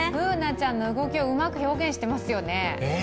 Ｂｏｏｎａちゃんの動きをうまく表現していますよね。